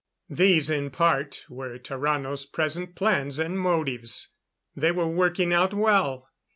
These, in part, were Tarrano's present plans and motives. They were working out well.